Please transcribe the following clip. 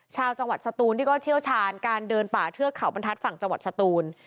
ชาวจังหวัดสตูนที่ก็เชี่ยวชาญการเดินป่าเทือกเขาบรรทัศน์ฝั่งจังหวัดสตูน